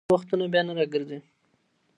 تېر وختونه بیا نه راګرځي.